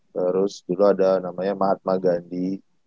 terus dulu ada namanya mahatma gandhi